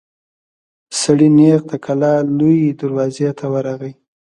سړی نېغ د کلا لويي دروازې ته ورغی.